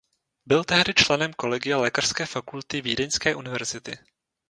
Byl tehdy členem kolegia lékařské fakulty Vídeňské univerzity.